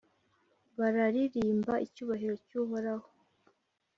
bararirimba icyubahiro cy’Uhoraho,